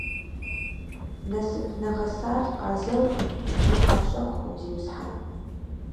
Насып нэгъэсар къазэукъым икӀи къащэхукъым, зиусхьэн.